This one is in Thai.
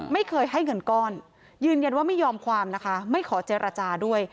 ไม่เคยให้เงินก้อนยืนยันว่าไม่ยอมความนะคะไม่ขอเจรจาด้วย